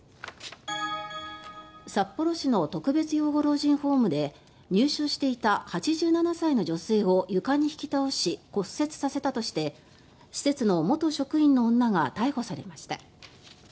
札幌市の特別養護老人ホームで入所していた８７歳の女性を床に引き倒し骨折させたとして施設の元職員の女が逮捕されました。